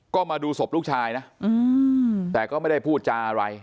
ก็มาดูศพลูกชายนะแต่ก็ไม่ได้พูดจาอะไร